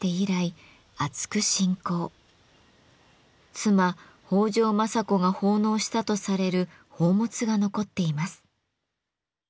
妻・北条政子が奉納したとされる宝物が残っています。